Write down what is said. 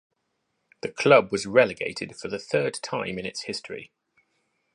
The club was relegated for the third time in its history.